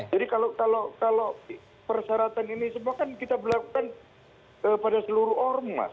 jadi kalau persyaratan ini semua kan kita berlakukan pada seluruh orang mas